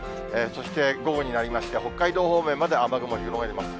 そして、午後になりまして、北海道方面まで雨雲広がります。